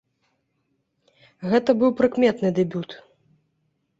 Гэта быў прыкметны дэбют.